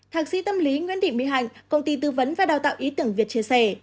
thạc sĩ tâm lý nguyễn thị mỹ hạnh công ty tư vấn và đào tạo ý tưởng việt chia sẻ